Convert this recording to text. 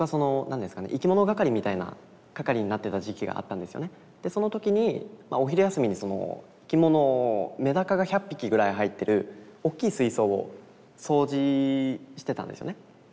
僕はその何ですかねでその時にお昼休みに生き物メダカが１００匹ぐらい入ってるおっきい水槽を掃除してたんですよね。